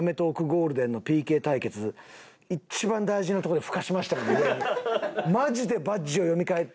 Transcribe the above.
ゴールデンのＰＫ対決、一番大事なところでふかしましたからね。